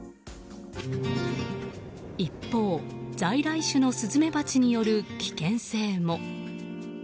一方、在来種のスズメバチによる危険性も。